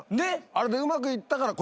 あれでうまく行ったから。